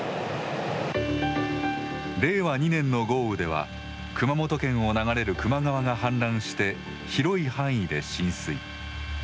令和２年の豪雨では熊本県を流れる球磨川が氾濫して広い範囲で浸水。